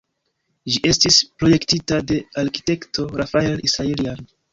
Ĝi estis projektita de arkitekto Rafael Israeljan.